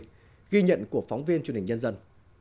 đây là trách nhiệm ghi nhận của phóng viên truyền hình nhân dân